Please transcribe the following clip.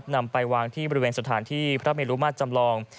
นำไปวางที่บริเวณสถานที่พระเมลุมาตรจำลอง